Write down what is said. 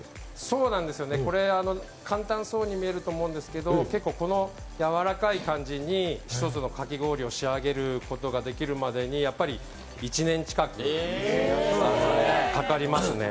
そうなんですよね、これ、簡単そうに見えると思うんですけどやわらかい感じに一つのかき氷を仕上げることができるまでにやっぱり１年近くかかりますね。